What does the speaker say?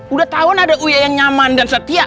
udah tahun ada uya yang nyaman dan setia